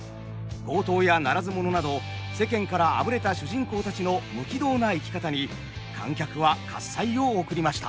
強盗やならず者など世間からあぶれた主人公たちの無軌道な生き方に観客は喝采を送りました。